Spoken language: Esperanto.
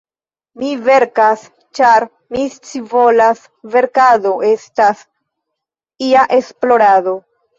Mi verkas, ĉar mi scivolas; verkado estas ia esplorado.